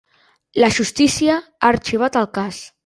La justícia ha arxivat el cas.